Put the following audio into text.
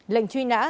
lệnh truy nã